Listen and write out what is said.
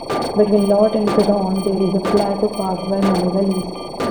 Between Lot and Garonne, there is a plateau carved by many valleys.